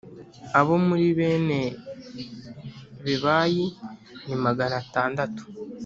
Abo muri bene Bebayi ni magana atandatu